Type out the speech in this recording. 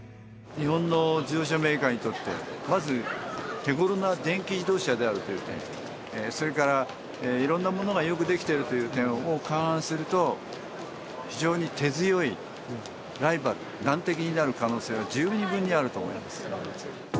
日本の自動車メーカーにとって、まず手ごろな電気自動車であるという点、それからいろんなものがよく出来てるという点を勘案すると、非常に手強いライバル、難敵になる可能性は十二分にあると思います。